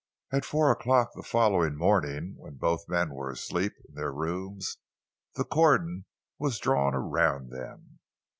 At four o'clock the following morning, when both men were asleep in their rooms, the cordon was drawn around them.